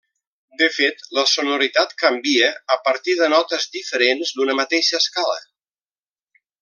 De fet, la sonoritat canvia a partir de notes diferents d'una mateixa escala.